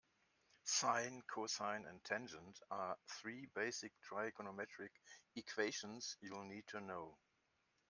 Sine, cosine and tangent are three basic trigonometric equations you'll need to know.